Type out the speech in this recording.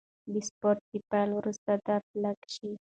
د سپورت د پیل وروسته درد لږ شي.